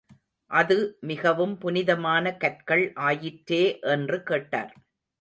அது மிகவும் புனிதமான கற்கள் ஆயிற்றே என்று கேட்டார்.